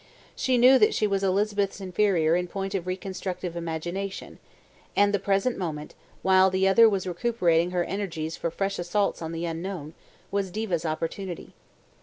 She knew that she was Elizabeth's inferior in point of reconstructive imagination, and the present moment, while the other was recuperating her energies for fresh assaults on the unknown, was Diva's opportunity.